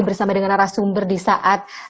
bersama dengan arah sumber di saat